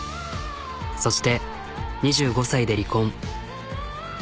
そして２５歳で離婚。